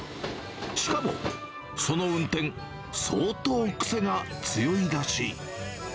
しかも、その運転、相当癖が強いらしい。